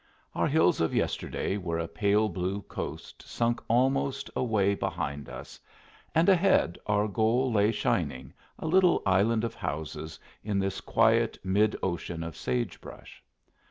Our hills of yesterday were a pale blue coast sunk almost away behind us, and ahead our goal lay shining, a little island of houses in this quiet mid ocean of sage brush.